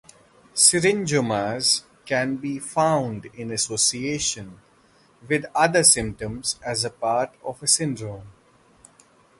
Syringomas can be found in association with other symptoms as part of a syndrome.